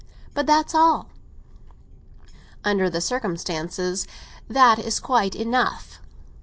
But that's all." "Under the circumstances, that is quite enough.